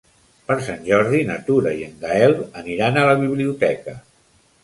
Per Sant Jordi na Tura i en Gaël aniran a la biblioteca.